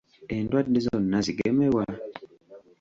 Endwadde zonna zigemebwa?